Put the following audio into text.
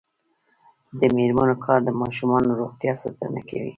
د میرمنو کار د ماشومانو روغتیا ساتنه کوي.